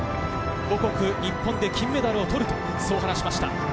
母国、日本で金メダルを取ると話しました。